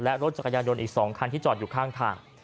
และรถจักรยานยนต์อีก๒คันที่จอดอยู่ข้างทาง